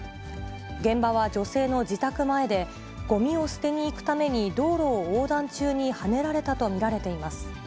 現場は女性の自宅前で、ごみを捨てに行くために道路を横断中にはねられたと見られています。